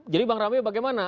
jadi bang rambe bagaimana